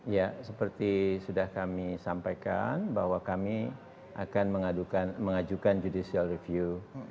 ya seperti sudah kami sampaikan bahwa kami akan mengajukan judicial review